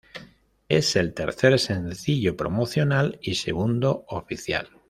Es el tercer sencillo promocional y segundo oficial.